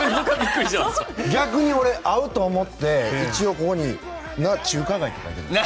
逆に合うと思って一応、ここに中華街って書いてる。